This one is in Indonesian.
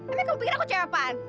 emang kamu pikir aku cewek apaan